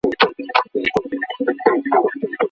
ايا بيوزله خلګ د عرف لپاره قرضونه کوي؟